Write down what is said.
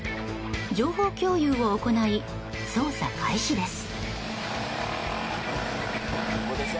情報共有を行い、捜査開始です。